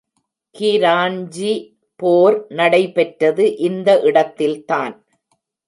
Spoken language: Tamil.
கிரான்ஜி போர் நடைபெற்றது இந்த இடத்தில் தான்.